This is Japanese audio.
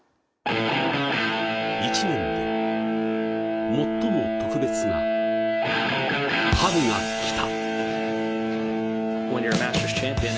一年で最も特別な春が来た。